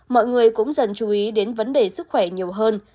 mọi người cũng dần chú ý đến vấn đề sức khỏe nhiều hơn